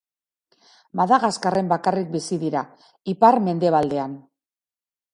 Madagaskarren bakarrik bizi dira, ipar-mendebaldean.